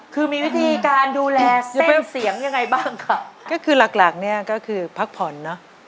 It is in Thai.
คือมีวิธีการดูแลเป็นเสียงยังไงบ้างค่ะก็คือหลักหลักเนี่ยก็คือพักผ่อนเนอะ